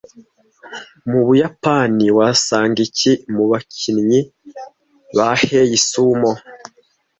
Mubuyapani wasanga iki mubakinnyi ba Heya Sumo